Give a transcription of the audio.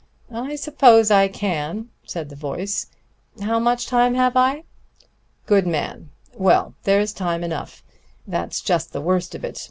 "I suppose I can," the voice grumbled. "How much time have I?" "Good man! Well, there's time enough that's just the worst of it.